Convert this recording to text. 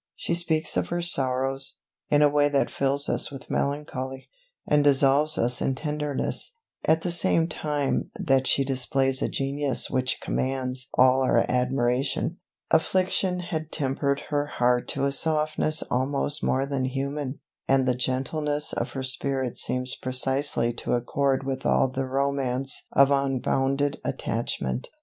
She speaks of her sorrows, in a way that fills us with melancholy, and dissolves us in tenderness, at the same time that she displays a genius which commands all our admiration. Affliction had tempered her heart to a softness almost more than human; and the gentleness of her spirit seems precisely to accord with all the romance of unbounded attachment.